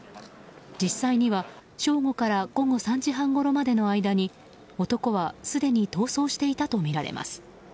実際には正午から午後３時半ごろまでの間に男はすでに逃走していたとみられます。